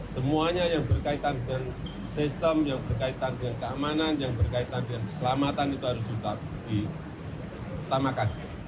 semuanya yang berkaitan dengan sistem yang berkaitan dengan keamanan yang berkaitan dengan keselamatan itu harus diutamakan